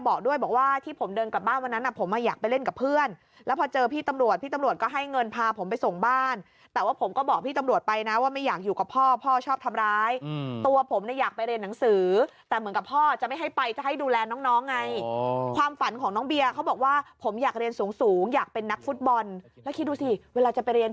บอกด้วยบอกว่าที่ผมเดินกลับบ้านวันนั้นผมอยากไปเล่นกับเพื่อนแล้วพอเจอพี่ตำรวจพี่ตำรวจก็ให้เงินพาผมไปส่งบ้านแต่ว่าผมก็บอกพี่ตำรวจไปนะว่าไม่อยากอยู่กับพ่อพ่อชอบทำร้ายตัวผมเนี่ยอยากไปเรียนหนังสือแต่เหมือนกับพ่อจะไม่ให้ไปจะให้ดูแลน้องไงความฝันของน้องเบียเขาบอกว่าผมอยากเรียนสูงสูงอยากเป็นนักฟุตบอลแล้วคิดดูสิเวลาจะไปเรียน